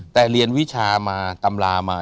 แต่เรียนวิชามาตำรามา